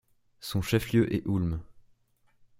Son chef-lieu est Ulm.